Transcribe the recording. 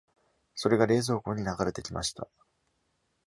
それが冷蔵庫に流れてきました。